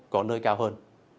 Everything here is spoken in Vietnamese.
có nơi cao hơn